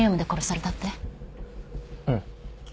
うん。